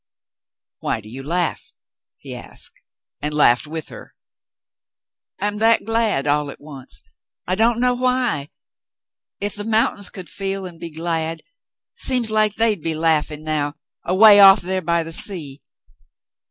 "Why do you laugh ?" he asked, and laughed with her. "I'm that glad all at once. I don't know why. If the An Errand of Mercy 93 mountains could feel and be glad, seems like they'd be laughing now away off there by the sea.